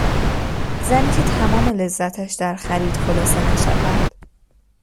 زنی که تمام لذتش در خرید خلاصه نشود